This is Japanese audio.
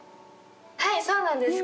はいそうなんです